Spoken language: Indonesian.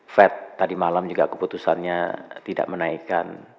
fed tadi malam juga keputusannya tidak menaikkan